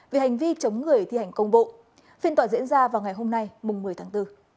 vì hành vi chống người thi hành công bộ phiên tòa diễn ra vào ngày hôm nay một mươi tháng bốn